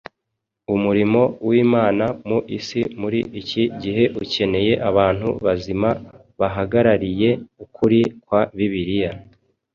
Umurimo w’Imana mu isi muri iki gihe ukeneye abantu bazima bahagarariye ukuri kwa Bibiliya.